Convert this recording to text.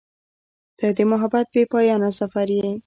• ته د محبت بېپایانه سفر یې.